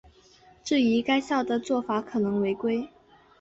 质疑该校的做法可能违规。